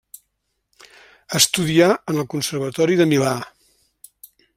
Estudià en el Conservatori de Milà.